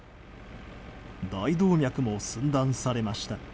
大動脈も寸断されました。